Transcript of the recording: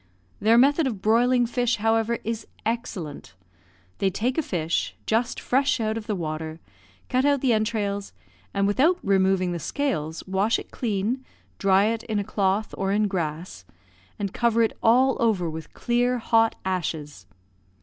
Their method of broiling fish, however, is excellent. They take a fish, just fresh out of the water, cut out the entrails, and, without removing the scales, wash it clean, dry it in a cloth, or in grass, and cover it all over with clear hot ashes.